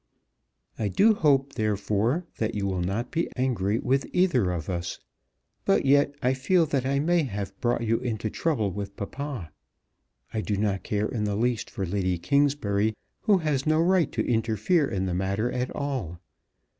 I do hope, therefore, that you will not be angry with either of us. But yet I feel that I may have brought you into trouble with papa. I do not care in the least for Lady Kingsbury, who has no right to interfere in the matter at all.